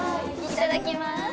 いただきます。